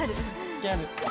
ギャル。